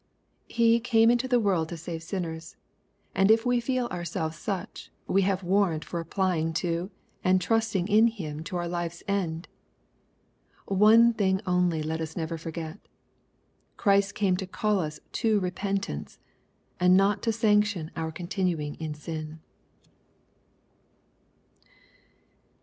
He " came into the world to save sinners,^' and if we feel ourselves such, we have warrant for applying to, and trusting in Him to our life's end. One thing only let us never forget : Christ came to call us to repmtancey and not to sanction our continuing in sin.